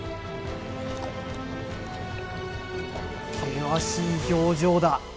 険しい表情だ